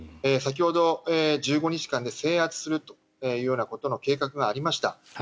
先ほど、１５日間で制圧するというような計画がありました。